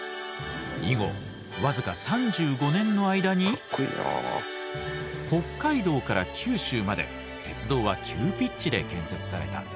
以後僅か３５年の間に北海道から九州まで鉄道は急ピッチで建設された。